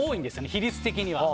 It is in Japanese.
比率的には。